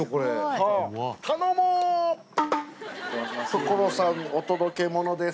『所さんお届けモノです！』